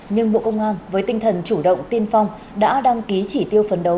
nhưng bộ công an với tinh thần chủ động tiên phong đã đăng ký chỉ tiêu phấn đấu